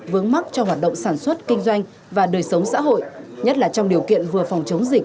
vướng mắc cho hoạt động sản xuất kinh doanh và đời sống xã hội nhất là trong điều kiện vừa phòng chống dịch